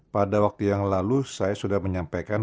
pada waktu yang lalu saya sudah menyampaikan